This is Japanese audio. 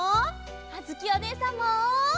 あづきおねえさんも！